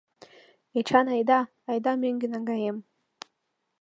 Эчан, айда... айда мӧҥгӧ наҥгаем...